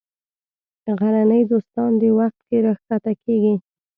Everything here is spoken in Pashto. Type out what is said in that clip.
غرني دوستان دې وخت کې راکښته کېږي.